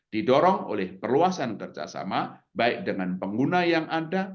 didorong oleh perluasan kerjasama baik dengan pengguna yang ada